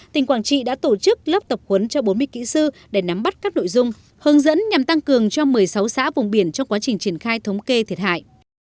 tỉnh quảng trị đã tổ chức lớp tập huấn cho bốn mươi kỹ sư để nắm bắt các nội dung hướng dẫn nhằm tăng cường cho một mươi sáu xã vùng biển trong quá trình triển khai thống kê thiệt hại